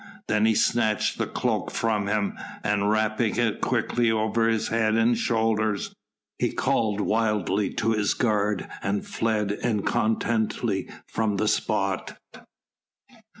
Then he snatched the cloak from him, and, wrapping it quickly over his head and shoulders, he called wildly to his guard and fled incontinently from the spot.